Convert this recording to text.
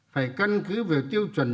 phải căn cứ về tiêu chuẩn chức